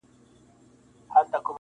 پوليس کور ته راځي ناڅاپه,